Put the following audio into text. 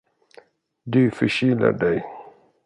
Du förkyler dig.